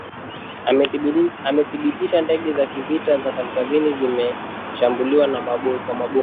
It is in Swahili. amedhibitisha ndege za kivita za kaskazini zimeshambilia kwa mabomu